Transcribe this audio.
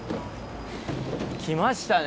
来ましたね。